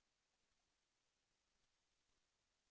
แสวได้ไงของเราก็เชียนนักอยู่ค่ะเป็นผู้ร่วมงานที่ดีมาก